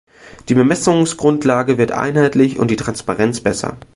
Die Bemessungsgrundlage wird einheitlich und die Transparenz besser.